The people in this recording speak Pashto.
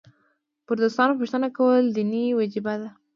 پر دوستانو پوښتنه کول دیني وجیبه ده.